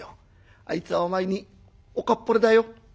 あいつはお前におかっぽれだよ」。